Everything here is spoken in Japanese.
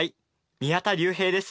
宮田隆平です。